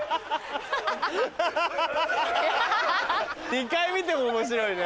２回見ても面白いね。